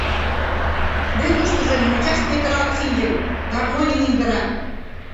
Мӧҥгыштыжӧ, мончаш петыралт шинчын, гармоньым индыра.